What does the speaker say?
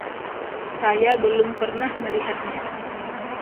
Saya belum pernah melihatnya.